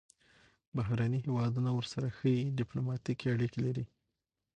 بهرني هیوادونه ورسره ښې ډیپلوماتیکې اړیکې لري.